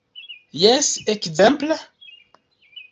Jes; ekzemple?